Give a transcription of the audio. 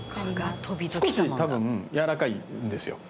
少し多分やわらかいんですよ。